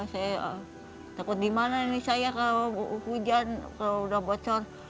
saya takut gimana nih saya kalau hujan kalau udah bocor